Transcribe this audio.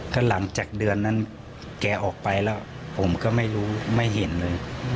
ก็หลังจากเดือนนั้นแกออกไปแล้วผมก็ไม่รู้ไม่เห็นเลย